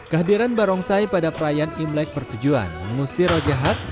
kehadiran barongsai pada perayaan imlek bertujuan mengusir roh jahat